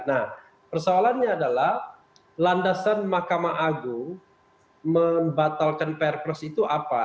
nah persoalannya adalah landasan mahkamah agung membatalkan perpres itu apa